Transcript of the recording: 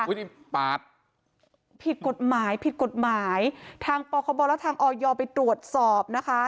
นี่ปาดผิดกฎหมายผิดกฎหมายทางปคบและทางออยไปตรวจสอบนะคะ